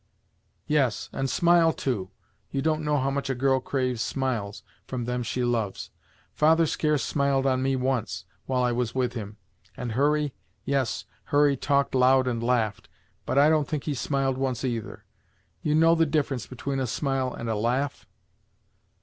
"Yes, and smile, too; you don't know how much a girl craves smiles from them she loves. Father scarce smiled on me once, while I was with him and, Hurry Yes Hurry talked loud and laughed, but I don't think he smiled once either. You know the difference between a smile and a laugh?"